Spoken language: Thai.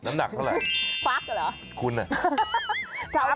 น้ำหนักเท่าไหร่